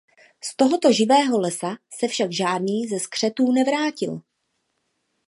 Z tohoto živého lesa se však žádný ze skřetů nevrátil.